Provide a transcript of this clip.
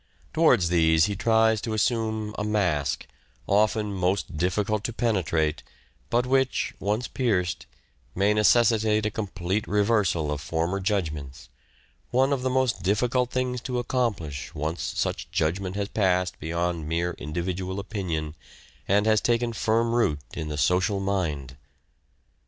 Towards these he tries to assume a mask, often most difficult to penetrate but which, once pierced, may necessitate a complete reversal of former judgments — one of the most difficult things to accomplish once such judgment has passed beyond mere individual opinion, and has taken firm root in the social mind.